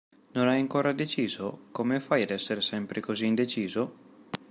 Non hai ancora deciso? Come fai a essere sempre così indeciso?